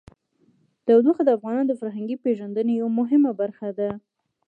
تودوخه د افغانانو د فرهنګي پیژندنې یوه مهمه برخه ده.